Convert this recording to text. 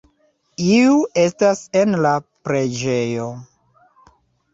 Iu estas en la preĝejo.